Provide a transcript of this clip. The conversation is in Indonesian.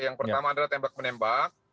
yang pertama adalah tembak menembak